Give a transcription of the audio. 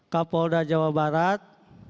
kapolda jawa barat